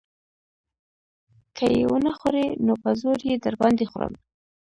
که يې ونه خورې نو په زور يې در باندې خورم.